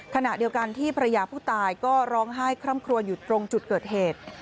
ขณะเดียวกันที่ภรรยาผู้ตายก็ร้องไห้คร่ำครัวอยู่ตรงจุดเกิดเหตุ